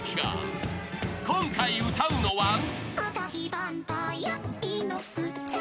［今回歌うのは］